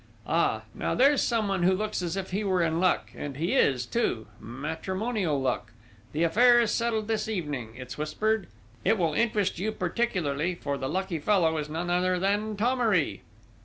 Ah, now there's someone who looks as if he were in luck and he is, too matrimonial luck. The affair is settled this evening, it's whispered. It will interest you particularly, for the lucky fellow is none other than Thomery!"